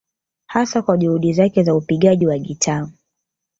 Hasa kwa juhudi zake za upigaji wa gitaa